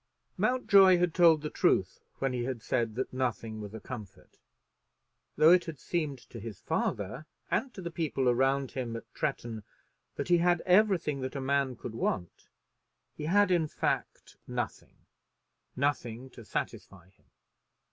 Mountjoy had told the truth when he had said that nothing was a comfort. Though it seemed to his father and to the people around him at Tretton that he had everything that a man could want, he had, in fact, nothing, nothing to satisfy him.